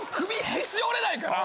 へし折れないから。